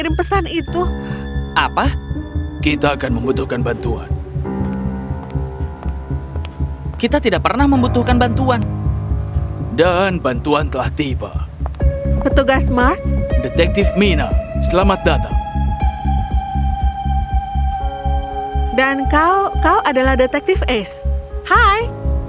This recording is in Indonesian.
dan kau kau adalah detektif ace hai